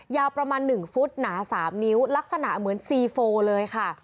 ยาวประมาณ๑ฟุตหนา๓นิ้วลักษณะเหมือนซีโฟเลยค่ะ